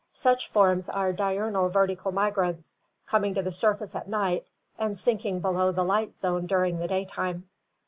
Such forms are diurnal vertical migrants, coming to the surface at night and sinking below the light zone during the daytime.